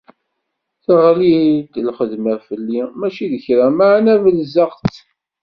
Teɣli-d lxedma fell-i mačči d kra, meɛna bellzeɣ-tt